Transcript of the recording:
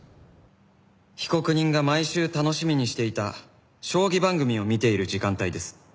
被告人が毎週楽しみにしていた将棋番組を見ている時間帯です。